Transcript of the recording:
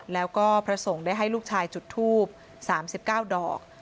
แล้วก็พระสงฆ์ได้ให้ลูกชายจุดทูบ๓๙ดอก